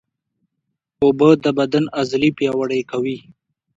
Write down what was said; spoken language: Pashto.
اوبه د بدن عضلې پیاوړې کوي